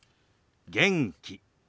「元気」